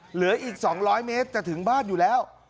เหลืออีก๒๐๐เมตรจะถึงบ้านอยู่แล้ว